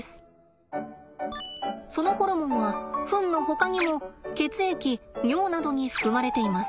そのホルモンはフンのほかにも血液尿などに含まれています。